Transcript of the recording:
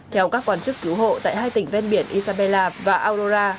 theo các quan chức cứu hộ tại hai tỉnh ven biển isabella và aurora